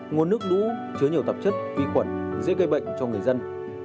nguồn nước đũ chứa nhiều tạp chất vi khuẩn dễ gây bệnh cho người dân